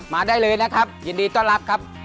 มาได้เลยนะครับยินดีต้อนรับครับ